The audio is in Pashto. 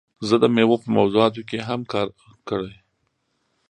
زه د میوو په موضوعاتو کې هم کار کړی.